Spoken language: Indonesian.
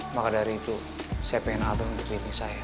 maka dari itu saya pengen atur untuk diriting saya